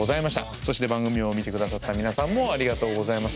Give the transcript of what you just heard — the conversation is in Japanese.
そして番組を見て下さった皆さんもありがとうございます。